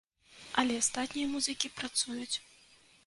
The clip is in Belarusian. Але астатнія музыкі працуюць.